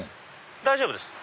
大丈夫です。